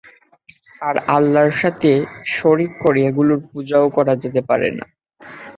আর আল্লাহর সাথে শরীক করে এগুলোর পূজাও করা যেতে পারে না।